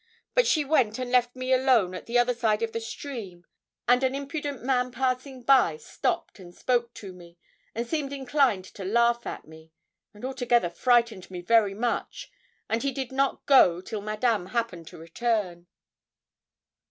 But she went and left me alone at the other side of the stream, and an impudent man passing by stopped and spoke to me, and seemed inclined to laugh at me, and altogether frightened me very much, and he did not go till Madame happened to return.'